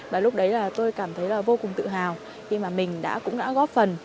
và lúc đấy là tôi cảm thấy là vô cùng tự hào khi mà mình đã cũng đã góp phần